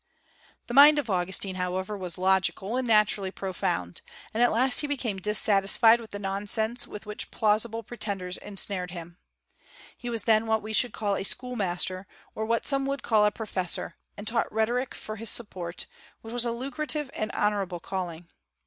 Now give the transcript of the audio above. The mind of Augustine, however, was logical, and naturally profound; and at last he became dissatisfied with the nonsense with which plausible pretenders ensnared him. He was then what we should call a schoolmaster, or what some would call a professor, and taught rhetoric for his support, which was a lucrative and honorable calling.